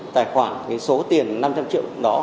tài khoản số tiền năm trăm linh triệu đó